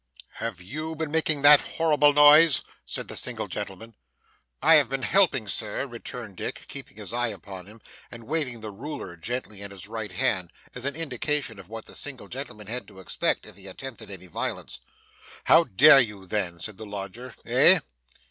'Have YOU been making that horrible noise?' said the single gentleman. 'I have been helping, sir,' returned Dick, keeping his eye upon him, and waving the ruler gently in his right hand, as an indication of what the single gentleman had to expect if he attempted any violence. 'How dare you then,' said the lodger, 'Eh?